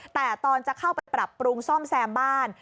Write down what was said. แต่ตอนจะเข้าไปปรับปรุงซ่อมแซมบ้าน